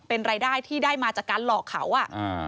เป็นรายได้ที่ได้มาจากการหลอกเขาอ่ะอ่า